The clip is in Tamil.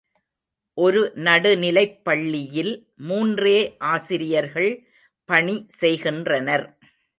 ஒரு நடுநிலைப்பள்ளியில் மூன்றே ஆசிரியர்கள் பணி செய்கின்றனர்.